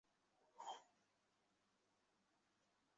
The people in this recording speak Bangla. সবকিছু আমার অবচেতন মনের কারসাজি!